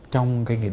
trong cái nghề định